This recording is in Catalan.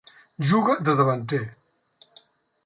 Juga de davanter.